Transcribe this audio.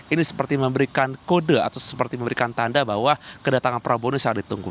ini seperti memberikan kode atau seperti memberikan tanda bahwa kedatangan prabowo ini sangat ditunggu